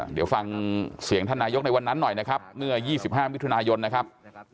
เดี๋ยวฟังเสียงท่านนายกในวันนั้นหน่อยนะครับเมื่อ๒๕มิถุนายนนะครับ